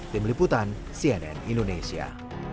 tim liputan cnn indonesia